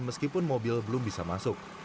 meskipun mobil belum bisa masuk